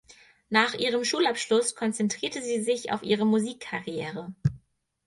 Nach ihrem Schulabschluss konzentrierte sie sich auf ihre Musikkarriere.